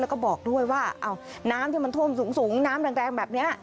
แล้วก็บอกด้วยว่าน้ำที่มันท่วมสูงน้ำแรงแบบนี้